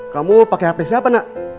kamu pakai hp siapa nak